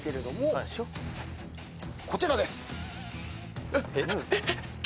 こちらです。